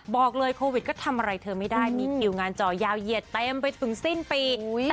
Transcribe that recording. บอกเลยโควิดก็ทำอะไรเธอไม่ได้มีคิวงานจอยาวเหยียดเต็มไปถึงสิ้นปี